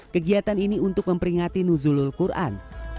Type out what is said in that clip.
kegiatan ini untuk memperingati nuzulul quran